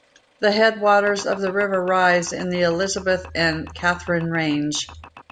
The headwaters of the river rise in the Elizabeth and Catherine Range.